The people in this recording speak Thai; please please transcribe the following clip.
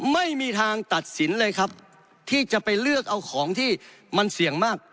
ไม่มีทางตัดสินเลยครับที่จะไปเลือกเอาของที่มันเสี่ยงมาก